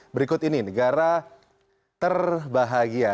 berikut ini negara terbahagia